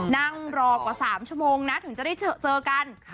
นั่งรอกว่า๓ชั่วโมงนะถึงจะได้เจอกัน